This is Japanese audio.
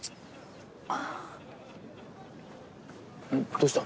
どうした？